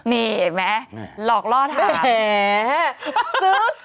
นี่แม่หลอกล่อถาม